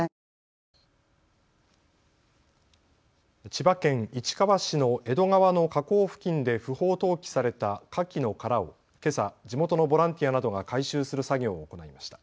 千葉県市川市の江戸川の河口付近で不法投棄されたかきの殻をけさ、地元のボランティアなどが回収する作業を行いました。